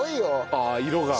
ああ色が。